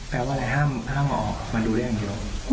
แปลว่าอะไรห้ามออกมาดูได้อย่างเดียว